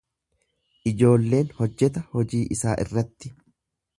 Ijoolleen hojjeta hojii isaa irratti.